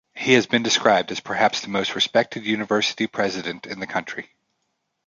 He has been described as perhaps the most respected university president in the country.